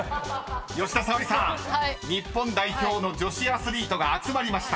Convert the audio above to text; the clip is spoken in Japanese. ［吉田沙保里さん日本代表の女子アスリートが集まりました］